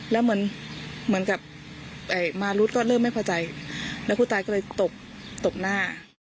แล้วเหมือนกับมารุดก็เริ่มไม่พอใจแล้วผู้ตายก็เลยตบหน้า